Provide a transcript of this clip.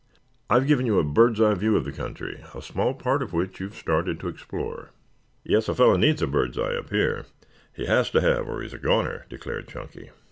I have given you a bird's eye view of the country, a small part of which you have started to explore." "Yes, a fellow needs a bird's eye up here. He has to have or he's a goner," declared Chunky.